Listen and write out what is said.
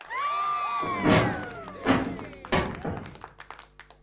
فَلَوْلَا أَنَّهُ كَانَ مِنَ الْمُسَبِّحِينَ